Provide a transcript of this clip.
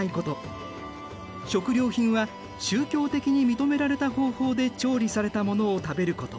食料品は宗教的に認められた方法で調理されたものを食べること。